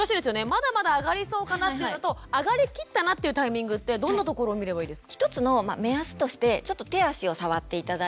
まだまだ上がりそうかなっていうのと上がりきったなっていうタイミングってどんなところを見ればいいですか？